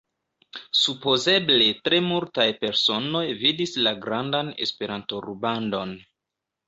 Supozeble tre multaj personoj vidis la grandan Esperanto-rubandon.